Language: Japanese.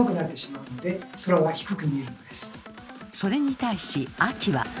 それに対し秋は。